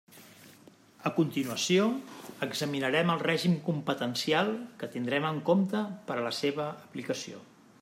A continuació, examinarem el règim competencial que tindrem en compte per a la seva aplicació.